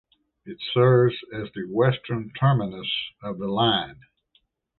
It serves as the western terminus of the line.